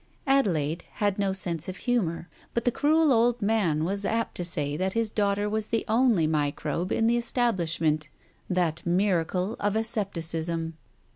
Adelaide had no sense of humour, but the cruel old man was apt to say that his daughter was the only microbe in the establishment — that miracle of asepticism.